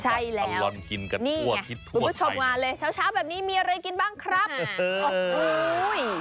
ใช่แล้วนี่ไงคุณผู้ชมมาเลยเช้าแบบนี้มีอะไรกินบ้างครับ